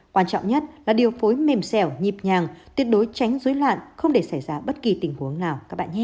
quan trọng nhất là điều phối mềm xẻo nhịp nhàng tuyệt đối tránh dối loạn không để xảy ra bất kỳ tình huống nào